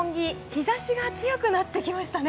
日差しが強くなってきましたね。